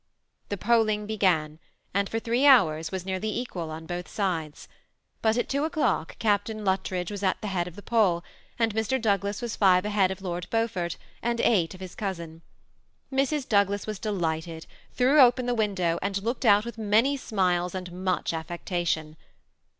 The polling began, and for three hours was nearly equal on both sides ; but at two o'clock Captain Lut tridge was at the head of the poll, and Mr. Douglas was five ahead of Lord Beaufort, and eight of his cousin. Mrs. Douglas was delighted, threw open the window, and looked out with many smiles and much affectation.